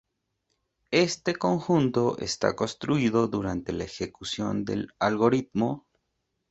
Este conjunto está construido durante la ejecución del algoritmo.